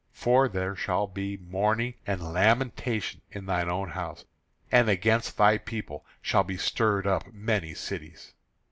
For there shall be mourning and lamentation in thine own house; and against thy people shall be stirred up many cities.